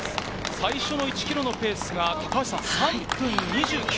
最初１ｋｍのペースは３分２９。